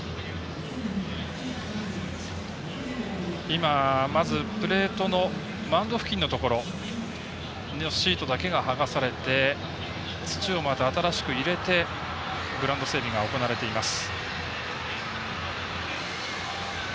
今、まずプレートのマウンド付近のところのシートだけがはがされて土を新しく入れてグラウンド整備が行われています。